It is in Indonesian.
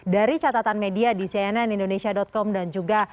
dari catatan media di cnn indonesia com dan juga